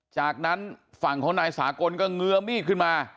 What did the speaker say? จากนั้นฝั่งของนายสากลก็เงื้อมีดขึ้นมา